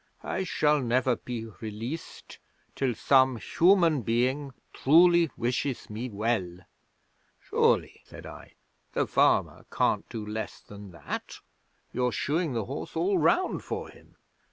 I shall never be released till some human being truly wishes me well." '"Surely," said I, "the farmer can't do less than that. You're shoeing the horse all round for him."